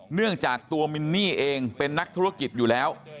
เนื่องจากตัวมินนี่เองเป็นนักธุรกิจอยู่แล้ว